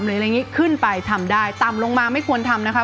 หรืออะไรอย่างนี้ขึ้นไปทำได้ต่ำลงมาไม่ควรทำนะคะ